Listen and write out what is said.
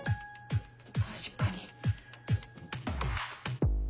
確かに。